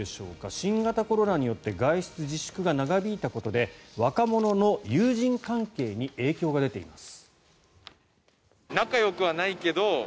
新型コロナによって外出自粛が長引いたことで若者の友人関係に影響が出ています。